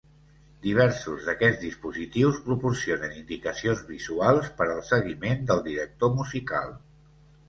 Diversos d'aquests dispositius proporcionen indicacions visuals per al seguiment del director musical.